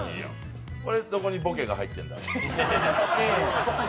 これ、どこにボケが入ってるんだ？